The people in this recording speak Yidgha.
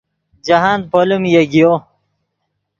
جاہند پولیم یگیو